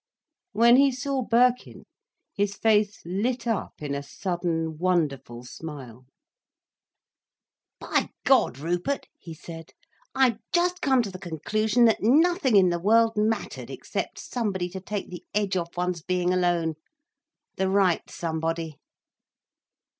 When he saw Birkin his face lit up in a sudden, wonderful smile. "By God, Rupert," he said, "I'd just come to the conclusion that nothing in the world mattered except somebody to take the edge off one's being alone: the right somebody."